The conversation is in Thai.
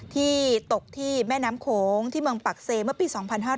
ที่ตกที่แม่น้ำโขงที่เมืองปักเซเมื่อปี๒๕๕๙